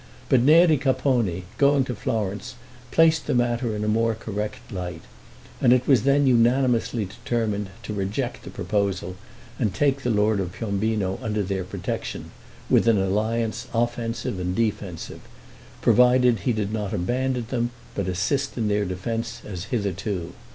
But Neri Capponi going to Florence, placed the matter in a more correct light, and it was then unanimously determined to reject the proposal, and take the lord of Piombino under their protection, with an alliance offensive and defensive, provided he did not abandon them, but assist in their defense as hitherto.